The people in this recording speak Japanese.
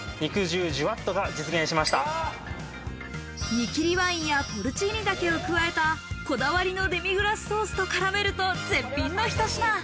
煮切りワインやポルチーニ茸を加えた、こだわりのデミグラスソースとからめると絶品のひと品。